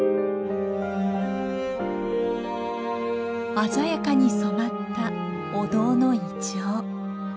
鮮やかに染まったお堂のイチョウ。